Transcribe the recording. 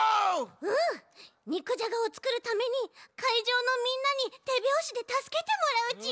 うんにくじゃがをつくるためにかいじょうのみんなにてびょうしでたすけてもらうち。